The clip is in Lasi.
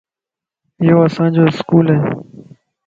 يو اسان جو اسڪول ائي